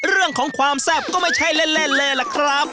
เรื่องของความแซ่บก็ไม่ใช่เล่นเลยล่ะครับ